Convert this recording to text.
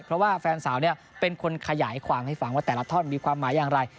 เพราะว่าแฟนสาวเป็นคนขยายความให้ฟังว่าแต่ละท่อนมีความหมายอย่างไร